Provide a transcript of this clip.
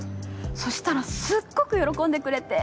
そしたらすっごく喜んでくれて。